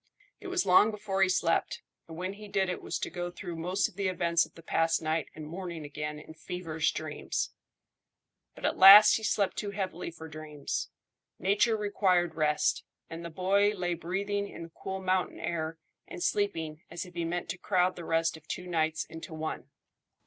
It was long before he slept, and when he did it was to go through most of the events of the past night and morning again in feverish dreams. But at last he slept too heavily for dreams. Nature required rest, and the boy lay breathing in the cool mountain air and sleeping as if he meant to crowd the rest of two nights into one.